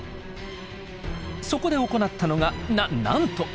そこで行ったのがななんと！